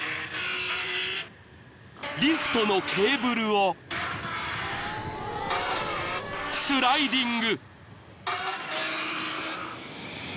［リフトのケーブルをスライディング］